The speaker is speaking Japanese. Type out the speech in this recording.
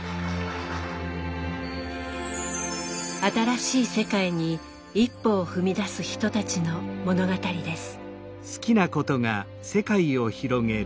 新しい世界に一歩を踏み出す人たちの物語です。